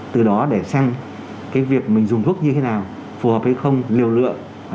từ đó để xem cái việc mình dùng thuốc như thế nào phù hợp hay không liều lượng